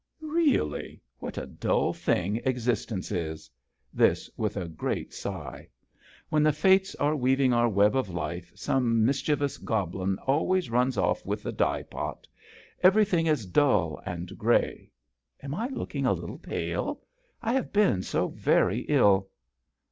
"Really. What a dull thing existence is !" this with a great sigh. " When the Fates are weaving our web of life some mischievous goblin always runs off with the dye pot. Everything is dull and grey. Am I looking a little pale ? I have been so very ill."